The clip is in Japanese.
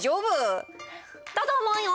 だと思うよ。